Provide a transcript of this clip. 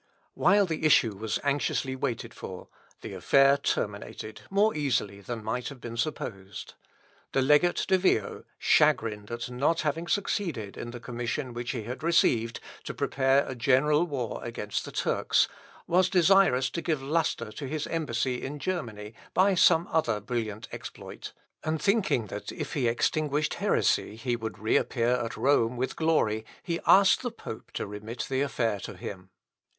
While the issue was anxiously waited for, the affair terminated more easily than might have been supposed. The Legate de Vio, chagrined at not having succeeded in the commission which he had received to prepare a general war against the Turks, was desirous to give lustre to his embassy in Germany by some other brilliant exploit; and thinking that if he extinguished heresy he would reappear at Rome with glory, he asked the pope to remit the affair to him.